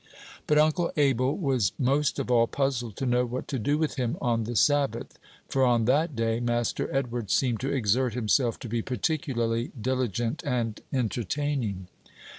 But Uncle Abel was most of all puzzled to know what to do with him on the Sabbath, for on that day Master Edward seemed to exert himself to be particularly diligent and entertaining.